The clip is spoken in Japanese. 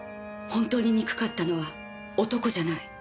本当に憎かったのは男じゃない。